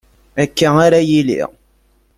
Akka ara yili.